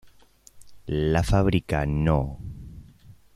La "Fábrica No.